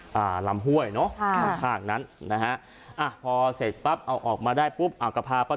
ค่ะข้างข้างนั้นนะฮะอ่ะพอเสร็จปะออกมาได้ปุ๊บอ่ะจะพาป๊า